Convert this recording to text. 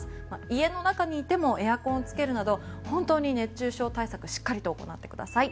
家の中にいてもエアコンをつけるなど熱中症対策をしっかりと行ってください。